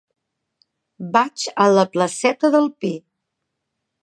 Vaig a la placeta del Pi.